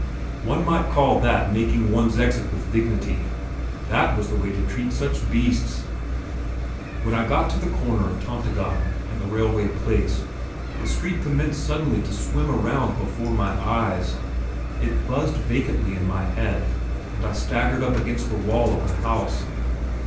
One might call that making one's exit with dignity. That was the way to treat such beasts I.... When I got to the corner of Tomtegaden and the railway place, the street commenced suddenly to swim around before my eyes; it buzzed vacantly in my head, and I staggered up against the wall of a house.